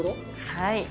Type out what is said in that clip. はい。